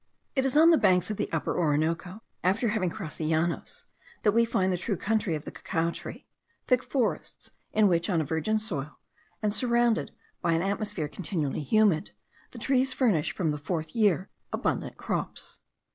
It is on the banks of the Upper Orinoco, after having crossed the Llanos, that we find the true country of the cacao tree; thick forests, in which, on a virgin soil, and surrounded by an atmosphere continually humid, the trees furnish, from the fourth year, abundant crops.